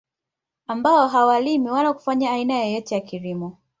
Ambao hawalimi wala kufanya aina yeyote ya kilimo